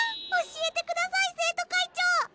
教えてください生徒会長！